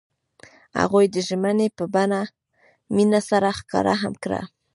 هغوی د ژمنې په بڼه مینه سره ښکاره هم کړه.